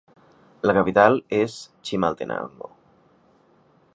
La capital és Chimaltenango.